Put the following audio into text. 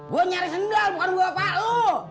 gue nyari sendal bukan bawa pak lu